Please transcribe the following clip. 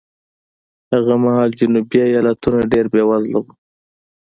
هغه مهال جنوبي ایالتونه ډېر بېوزله وو.